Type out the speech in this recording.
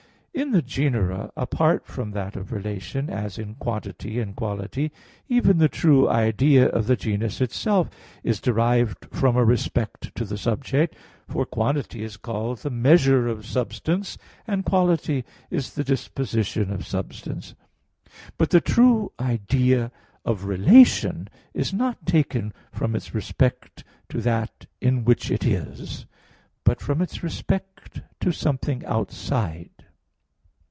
In the genera, apart from that of relation, as in quantity and quality, even the true idea of the genus itself is derived from a respect to the subject; for quantity is called the measure of substance, and quality is the disposition of substance. But the true idea of relation is not taken from its respect to that in which it is, but from its respect to something outside.